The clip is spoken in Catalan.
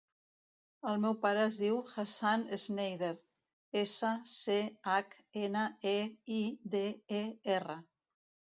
El meu pare es diu Hassan Schneider: essa, ce, hac, ena, e, i, de, e, erra.